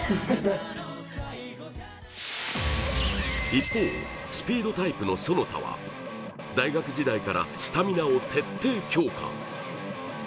一方、スピードタイプの其田は大学時代からスタミナを徹底強化。